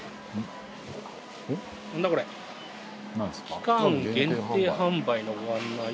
「期間限定販売のご案内」？